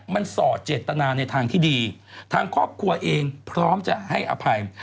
มันสอดเจตนาในทางที่ดีทางครอบครัวเองพร้อมจะให้อภัย